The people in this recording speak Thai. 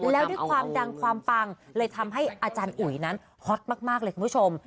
แล้วด้วยความดังความปังเลยทำให้อาจารย์อุ๋ยนั้นฮอตมากเลยคุณผู้ชม